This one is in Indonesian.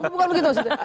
bukan begitu maksudnya